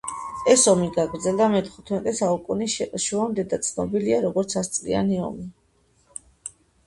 ეს ომი გაგრძელდა მეთხუთმეტე საუკუნის შუამდე და ცნობილია როგორც ასწლიანი ომი.